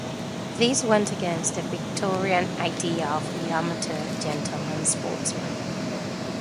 This went against the Victorian idea of the amateur gentleman sportsman.